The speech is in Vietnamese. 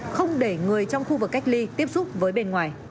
không để người trong khu vực cách ly tiếp xúc với bên ngoài